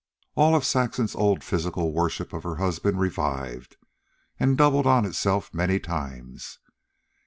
All of Saxon's old physical worship of her husband revived and doubled on itself many times.